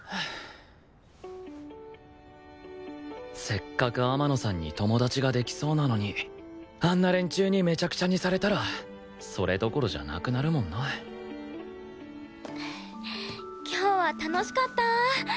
せっかく天野さんに友達ができそうなのにあんな連中にめちゃくちゃにされたらそれどころじゃなくなるもんな今日は楽しかった！